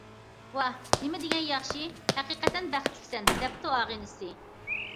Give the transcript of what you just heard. — ۋاھ، نېمىدېگەن ياخشى، ھەقىقەتەن بەختلىكسەن،— دەپتۇ ئاغىنىسى.